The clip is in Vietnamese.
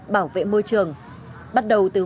bảo vệ môi trường bắt đầu từ